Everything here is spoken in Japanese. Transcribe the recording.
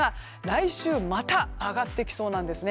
来週また上がってきそうなんです。